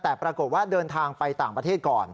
แต่ปรากฏว่าเดินทางไปต่างประเทศก่อน